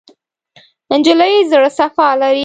نجلۍ زړه صفا لري.